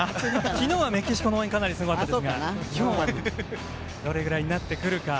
昨日はメキシコの応援すごかったですが今日はどうなってくるか。